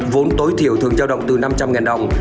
vốn tối thiểu thường giao động từ năm trăm linh đồng